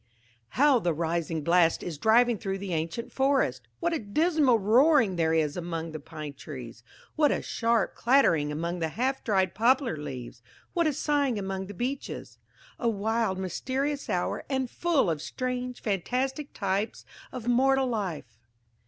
"HOW the rising blast is driving through the ancient forest! What a dismal roaring there is among the pine trees! What a sharp clattering among the half dried poplar leaves! What a sighing among the beeches! A wild mysterious hour, and full of strange fantastic types of mortal life!"